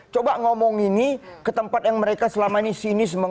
coba ngomong ini ke tempat yang mereka selama ini sinis